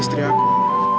aku ingin mencobanya